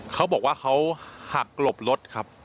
เขาบอกว่าเขาหักหลบรถครับ